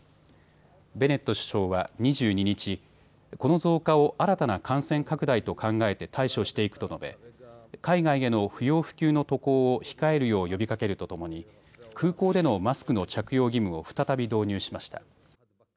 ベネット首相は２２日、この増加を新たな感染拡大と考えて対処していくと述べ海外への不要不急の渡航を控えるよう呼びかけるとともに空港でのマスクの着用義務を再び導入しました。